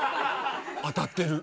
当たってる！